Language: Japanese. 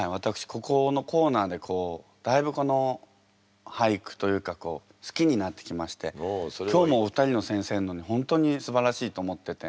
ここのコーナーでだいぶ俳句というか好きになってきまして今日もお二人の先生の本当にすばらしいと思ってて。